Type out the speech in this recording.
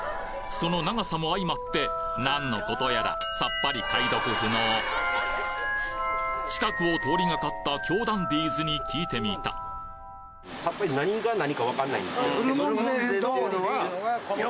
その長さも相まって何のことやらさっぱり近くを通りがかった京ダンディーズに聞いてみた東西の道。